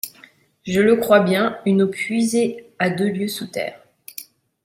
Je le crois bien, une eau puisée à deux lieues sous terre !